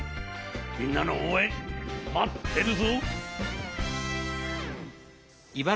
みんなのおうえんまってるぞ！